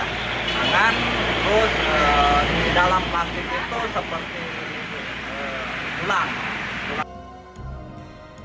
tangan terus di dalam plastik itu seperti gelang